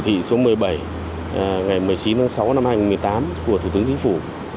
thị số một mươi bảy ngày một mươi chín tháng sáu năm hai nghìn một mươi tám của thủ tướng chính phủ